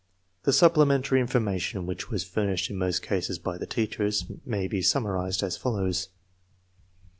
The supplementary information, which was fur nished in most eases by the teachers, may be summarized as follows : 1 Sec p.